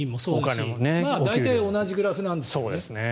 大体同じグラフなんですよね。